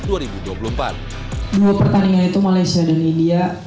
dua pertandingan itu malaysia dan india